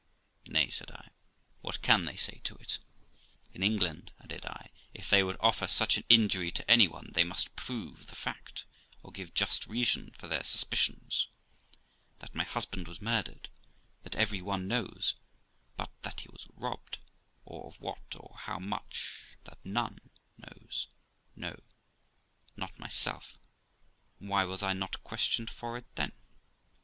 ' Nay ', said J, 'what can they say to it? In England', added I, 'if they would offer such an injury to any one, they must prove the fact or give just reason for their suspicions. That my husband was murdered, that every one knows; but that he was robbed, or of what, or how much, that none knows no, not myself; and why was I not questioned for it then?